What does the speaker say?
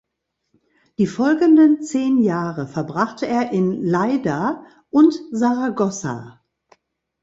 Die folgenden zehn Jahre verbrachte er in Lleida und Saragossa.